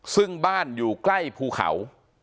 ซึ่งบ้านอยู่ใกล้ภูเขา